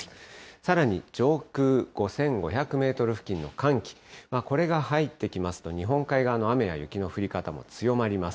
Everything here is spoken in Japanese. さらに上空５５００メートル付近の寒気、これが入ってきますと、日本海側の雨や雪の降り方も強まります。